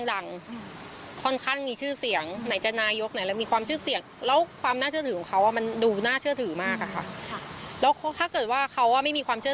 ฟังคุณฟ้าครับ